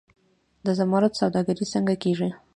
د زمرد سوداګري څنګه کیږي؟